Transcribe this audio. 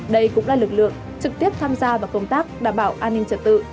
đây cũng là lực lượng trực tiếp tham gia vào công tác đảm bảo an ninh trật tự